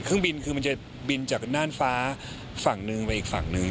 เครื่องบินคือมันจะบินจากน่านฟ้าฝั่งหนึ่งไปอีกฝั่งหนึ่ง